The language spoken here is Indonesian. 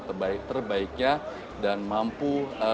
terbaiknya dan mampu